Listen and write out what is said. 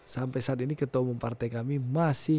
sampai saat ini ketua umum partai kami masih